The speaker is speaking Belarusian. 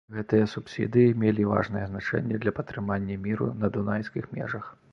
Гэтыя субсідыі мелі важнае значэнне для падтрымання міру на дунайскіх межах.